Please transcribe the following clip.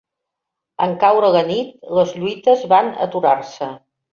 En caure la nit, les lluites van aturar-se.